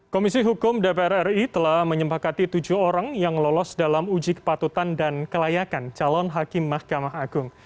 komisi hukum dpr ri telah menyempakati tujuh orang yang lolos dalam uji kepatutan dan kelayakan calon hakim mahkamah agung